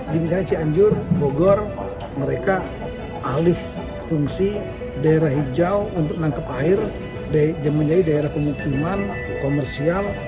di misalnya cianjur bogor mereka alih fungsi daerah hijau untuk menangkap air yang menjadi daerah pemukiman komersial